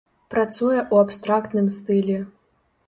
Працуе ў абстрактным стылі.